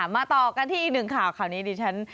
มาต่อกันที่อีกหนึ่งข่าวข่าวนี้ดิฉัน